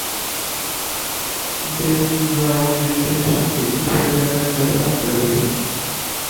ڈیوین Bravo نے international cricket سے retirement کا اعلان کردیا